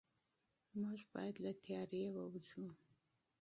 موږ باید له تیارې ووځو.